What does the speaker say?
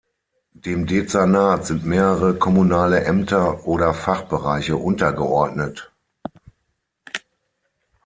Dem Dezernat sind mehrere kommunale Ämter oder Fachbereiche untergeordnet.